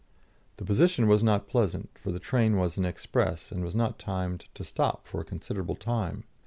The position was not pleasant, for the train was an express, and was not timed to stop for a considerable time.